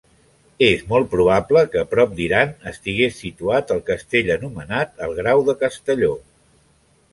És molt probable que prop d'Iran estigués situat el castell anomenat el Grau de Castelló.